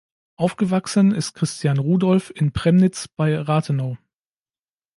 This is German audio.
Aufgewachsen ist Christian Rudolf in Premnitz bei Rathenow.